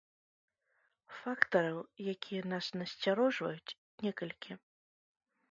Фактараў, якія нас насцярожваюць, некалькі.